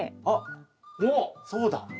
あっそうだ！